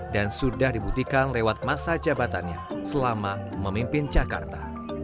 dan sudah dibuktikan lewat masa jabatannya selama memimpin jakarta